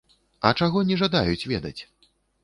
А чаго не жадаюць ведаць?